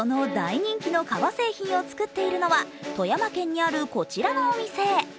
その大人気の革製品を作っているのは富山県にあるこちらのお店。